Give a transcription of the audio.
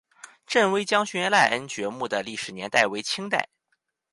振威将军赖恩爵墓的历史年代为清代。